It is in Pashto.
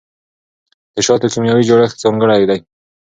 د شاتو کیمیاوي جوړښت ځانګړی دی.